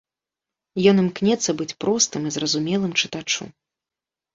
Ён імкнецца быць простым і зразумелым чытачу.